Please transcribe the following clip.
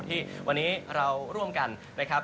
ที่วันนี้เราร่วมกัน